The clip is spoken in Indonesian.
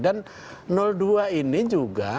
dan dua ini juga